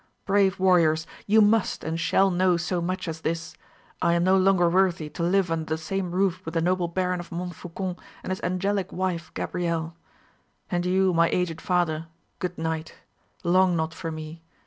Brave warriors, you must and shall know so much as this; I am no longer worthy to live under the same roof with the noble Baron of Montfaucon and his angelic wife Gabrielle. And you, my aged father, good night; long not for me.